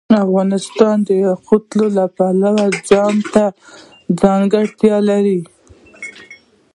افغانستان د یاقوت د پلوه ځانته ځانګړتیا لري.